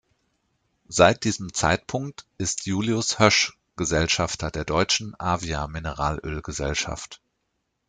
Seit diesem Zeitpunkt ist Julius Hoesch Gesellschafter der Deutschen Avia Mineralöl-Gesellschaft.